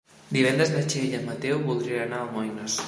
Divendres na Txell i en Mateu voldrien anar a Almoines.